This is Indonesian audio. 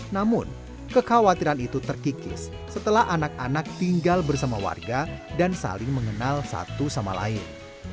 namun kekhawatiran itu terkikis setelah anak anak tinggal bersama warga dan saling mengenal satu sama lain